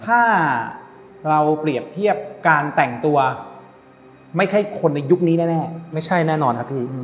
ถ้าเราเปรียบเทียบการแต่งตัวไม่ใช่คนในยุคนี้แน่ไม่ใช่แน่นอนครับพี่